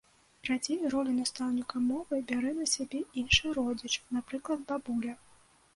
Радзей, ролю настаўніка мовы бярэ на сябе іншы родзіч, напрыклад бабуля.